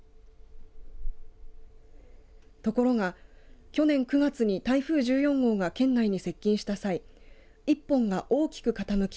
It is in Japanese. ところが去年９月に台風１４号が県内に接近した際１本が大きく傾き